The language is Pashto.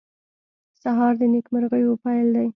سهار د نیکمرغیو پېل دی.